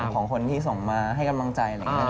ของคนที่ส่งมาให้กำลังใจ